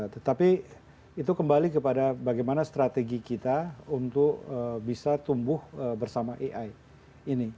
tetapi itu kembali kepada bagaimana strategi kita untuk bisa tumbuh bersama ai ini